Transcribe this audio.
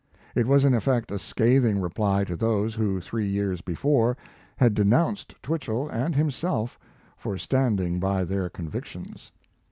It was in effect a scathing reply to those who, three years, before, had denounced Twichell and himself for standing by their convictions.